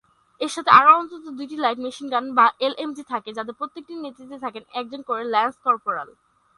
এর সাথে আরও অন্তত দুইটি লাইট মেশিন গান বা এলএমজি থাকে, যাদের প্রত্যেকটির নেতৃত্বে থাকেন একজন করে ল্যান্স কর্পোরাল।